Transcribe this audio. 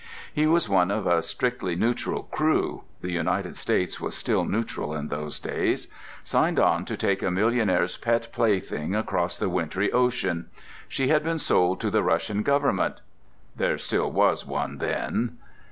He was one of a strictly neutral crew (the United States was still neutral in those days) signed on to take a millionaire's pet plaything across the wintry ocean. She had been sold to the Russian Government (there still was one then!)